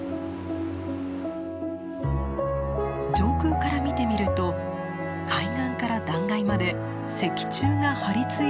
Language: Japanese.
上空から見てみると海岸から断崖まで石柱が張りついています。